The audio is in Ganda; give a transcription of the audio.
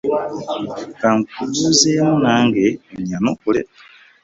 Ka nkubuuzeemu nange onnyanukule.